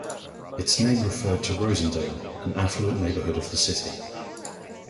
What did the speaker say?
Its name referred to Rosedale, an affluent neighbourhood of the city.